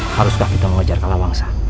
haruskah kita mengajar kalawangsa